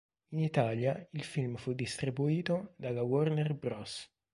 In Italia il film fu distribuito dalla Warner Bros.